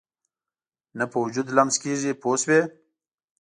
نه په وجود لمس کېږي پوه شوې!.